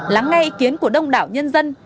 lắng ngay ý kiến của đông đảo nhân dân